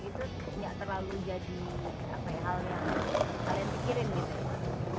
itu enggak terlalu jadi apa ya hal yang kalian pikirin gitu